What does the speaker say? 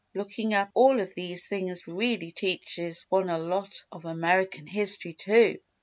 Looking up all of these things really teaches one a lot of American history, too.